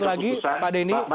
terima kasih pak denny